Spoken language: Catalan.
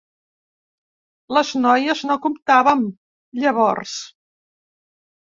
Les noies no comptàvem, llavors.